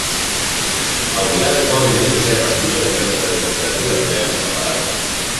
A humidade pode medirse a partir da diferenza de temperatura entre ambos aparatos.